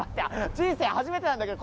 人生初めてなんだけど。